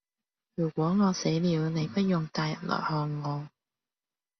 如果我死了你不用帶人來看我